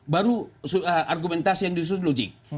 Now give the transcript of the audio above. baru argumentasi yang disusun logik